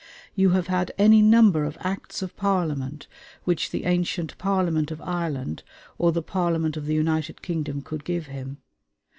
You have had any number of Acts of Parliament which the ancient Parliament of Ireland or the Parliament of the United Kingdom could give him.